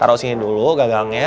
taruh sini dulu gagangnya